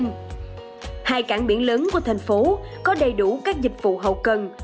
hai cảng biển lớn của thành phố có đầy đủ các dịch vụ hậu cần